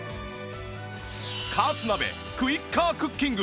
加圧鍋クイッカークッキング